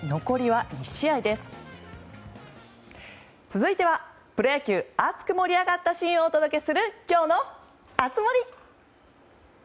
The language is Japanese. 続いてはプロ野球熱く盛り上がったシーンをお届けする今日の熱盛！